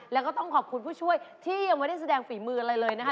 แล้วก็ต้องขอบคุณผู้ช่วยที่ยังไม่ได้แสดงฝีมืออะไรเลยนะคะ